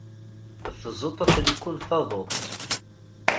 Tzeṭṭ atriku n taduṭ.